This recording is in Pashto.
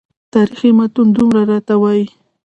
تاریخي متون دومره راته وایي.